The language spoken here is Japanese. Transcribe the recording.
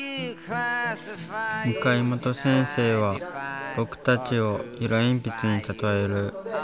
向本先生は僕たちを色鉛筆に例える。